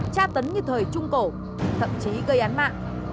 tra tấn như thời trung cổ thậm chí gây án mạng